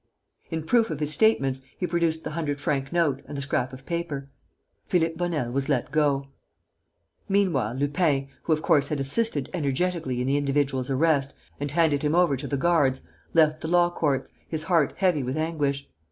In proof of his statements, he produced the hundred franc note and the scrap of paper. Philippe Bonel was let go. Meanwhile, Lupin, who of course had assisted energetically in the individual's arrest and handed him over to the guards, left the law courts, his heart heavy with anguish.